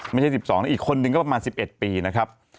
ไม่ใช่๑๒นะอีกคนนึงก็ประมาณ๑๑ปีนะครับ